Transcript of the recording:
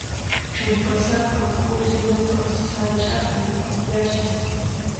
Chupasapa k'usilluqa sach'api pukllashan.